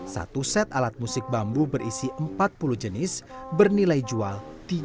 satu set alat musik bambu berisi empat puluh jenis bernilai jual tiga puluh